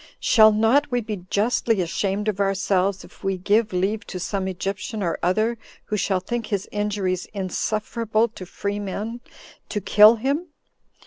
Shall not we be justly ashamed of ourselves, if we give leave to some Egyptian or other, who shall think his injuries insufferable to free men, to kill him?